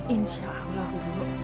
insya allah bu